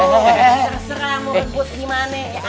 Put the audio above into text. terserah mau regut gimana